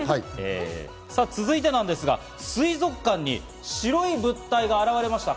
続いては水族館に白い物体が現れました。